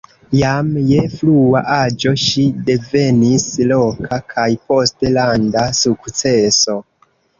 Jam je frua aĝo ŝi devenis loka kaj poste landa sukceso.